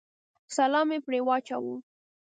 سلام مې پرې واچاوه.